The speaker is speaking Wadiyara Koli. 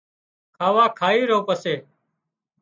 کاوا کائي رون پسي